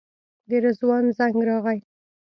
د رضوان زنګ راغی.